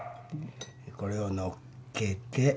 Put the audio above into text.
これを乗っけて。